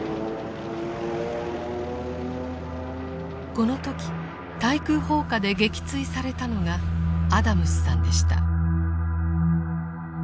この時対空砲火で撃墜されたのがアダムスさんでした。